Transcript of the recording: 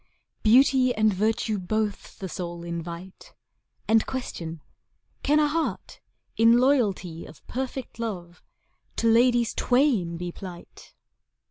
Beauty and virtue both the soul invite, And question, Can a heart, in loyalty Of perfect love, to ladies twain be plight?